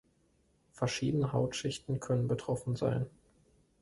Verschiedene Hautschichten können betroffen sein.